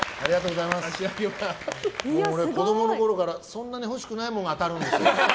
子供のころからそんなに欲しくないものが当たるんです。